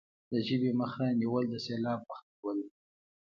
د ژبې مخه نیول د سیلاب مخه نیول دي.